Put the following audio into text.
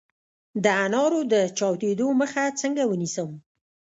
د انارو د چاودیدو مخه څنګه ونیسم؟